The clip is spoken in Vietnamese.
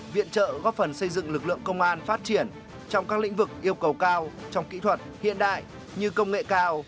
viện trợ góp phần xây dựng lực lượng công an phát triển trong các lĩnh vực yêu cầu cao trong kỹ thuật hiện đại như công nghệ cao